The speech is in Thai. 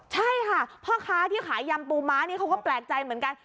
ใช่ค่ะเพราะท้าย้ำปูม้าเนี่ยเค้าก็แปลกใจเหมือนกัน